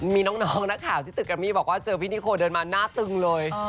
มีน้องนักข่าวที่ตึกแรมมี่บอกว่าเจอพี่นิโคเดินมาหน้าตึงเลย